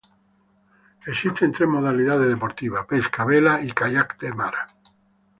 Existen tres modalidades deportivas: Pesca, Vela y Kayak de Mar.